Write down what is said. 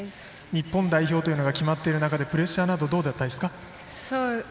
日本代表というのが決まっている中でプレッシャーなどはどうでしたか？